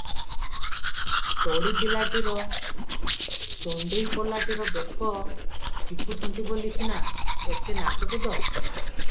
ତୋଡ଼ୀ ପିଲାଟିର, ଦଣ୍ତେଇ ପଲାଟିର ବେକ ଚିପୁଛନ୍ତି ବୋଲି ସିନା ଏତେ ନାଚକୁଦ ।